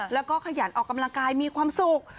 แล้วก็ขยันออกกำลังกายมีความสุข